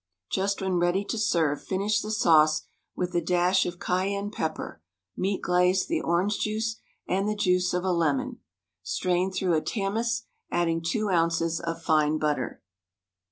Just when ready to serve finish the sauce with a dash of cayenne pepper, meat glaze, the orange juice and the juice of a lemon, strain through a tamis, adding two ounces of fine butter.